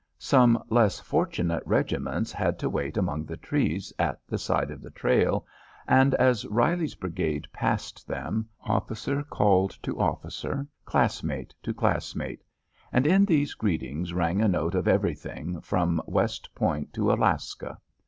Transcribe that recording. Some less fortunate regiments had to wait among the trees at the side of the trail, and as Reilly's brigade passed them, officer called to officer, classmate to classmate, and in these greetings rang a note of everything, from West Point to Alaska.